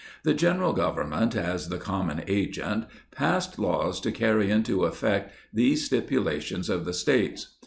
The General Government, as the common agent, passed laws to carry into effect these stipulations of the States.